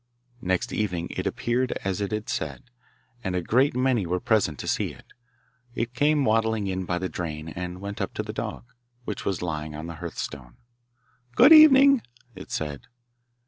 Next evening it appeared as it had said, and a great many were present to see it. It came waddling in by the drain, and went up to the dog, which was lying on the hearth stone. 'Good evening,' it said.